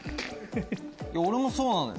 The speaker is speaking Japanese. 俺もそうなのよ。